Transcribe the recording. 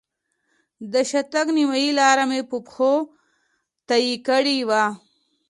د شاتګ نیمایي لاره مې په پښو طی کړې وه.